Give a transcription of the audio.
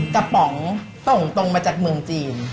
กระป๋องต่งมาจากเมืองจีน